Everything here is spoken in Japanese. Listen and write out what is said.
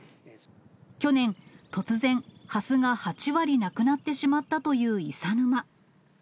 去年、突然、ハスが８割なくなってしまったという伊佐沼。